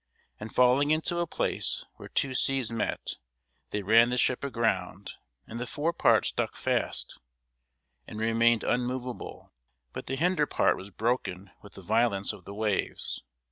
And falling into a place where two seas met, they ran the ship aground; and the forepart stuck fast, and remained unmoveable, but the hinder part was broken with the violence of the waves.